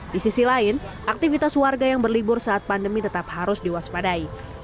di sisi lain aktivitas warga yang berlibur saat pandemi tetap harus diwaspadai